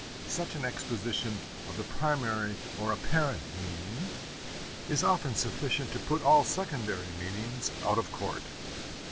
Such an exposition of the primary or apparent meaning is often sufficient to put all secondary meanings out of court.